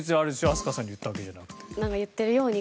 飛鳥さんに言ったわけじゃなくて。